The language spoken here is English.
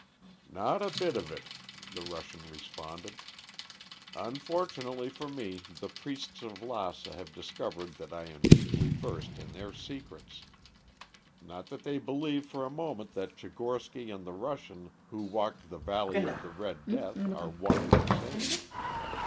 "Not a bit of it," the Russian responded. "Unfortunately for me the priests of Lassa have discovered that I am deeply versed in their secrets. Not that they believe for a moment that Tchigorsky and the Russian who walked the valley of the Red Death are one and the same.